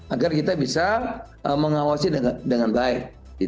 agar kita bisa mengawasi dengan baik